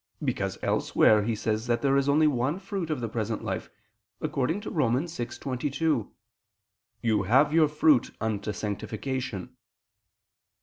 Because, elsewhere, he says that there is only one fruit of the present life; according to Rom. 6:22: "You have your fruit unto sanctification."